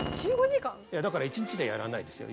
いやだから１日でやらないですよ。